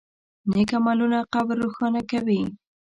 نیک عملونه قبر روښانه کوي.